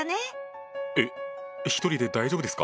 えっ１人で大丈夫ですか？